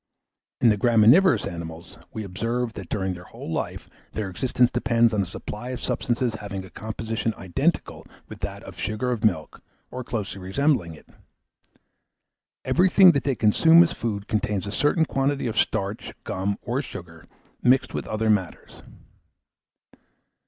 In graminivorous animals, we observe, that during their whole life, their existence depends on a supply of substances having a composition identical with that of sugar of milk, or closely resembling it. Everything that they consume as food contains a certain quantity of starch, gum, or sugar, mixed with other matters.